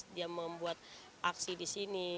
dia membuat akses